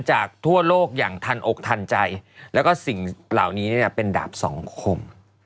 จากทั่วโลกอย่างทันอกทันใจแล้วก็สิ่งเหล่านี้เป็นดาบสองคม